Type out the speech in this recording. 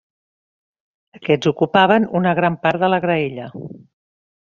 Aquests ocupaven una gran part de la graella.